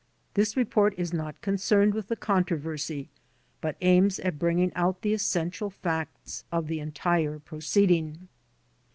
This report is not concerned with the controversy, but aims at bringing out the essen tial facts of the entire proceeding.